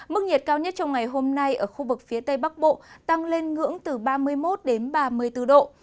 mức nhiệt cao nhất trong ngày hôm nay ở khu vực phía tây bắc bộ tăng lên ngưỡng từ ba mươi một đến ba mươi bốn độ